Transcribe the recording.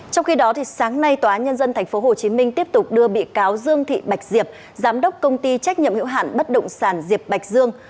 trong khi đó sáng nay tòa nhân dân tp hcm tiếp tục đưa bị cáo dương thị bạch diệp giám đốc công ty trách nhiệm hiệu hạn bất động sản diệp bạch dương